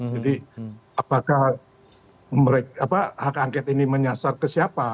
jadi apakah hak angket ini menyasar ke siapa